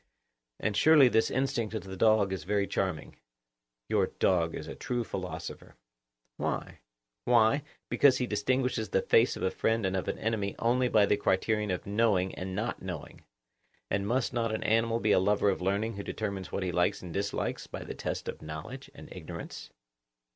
And surely this instinct of the dog is very charming;—your dog is a true philosopher. Why? Why, because he distinguishes the face of a friend and of an enemy only by the criterion of knowing and not knowing. And must not an animal be a lover of learning who determines what he likes and dislikes by the test of knowledge and ignorance?